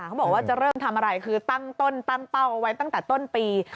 เขาบอกว่าจะเริ่มทำอะไรคือตั้งต้นตั้งเป้าเอาไว้ตั้งแต่ต้นปี